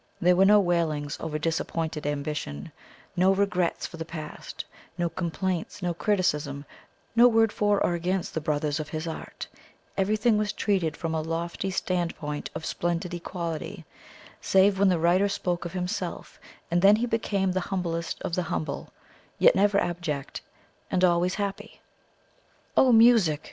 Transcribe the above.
There were no wailings over disappointed ambition, no regrets for the past, no complaints, no criticism, no word for or against the brothers of his art; everything was treated from a lofty standpoint of splendid equality, save when the writer spoke of himself, and then he became the humblest of the humble, yet never abject, and always happy. "O Music!"